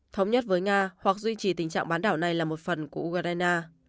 thống nhất với nga hoặc duy trì tình trạng bán đảo này là một phần của ukraine